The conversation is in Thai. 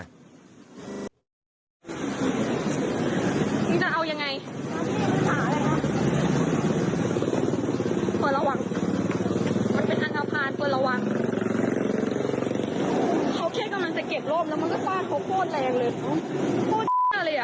นี่จะเอายังไงต่างจากอะไรหรือ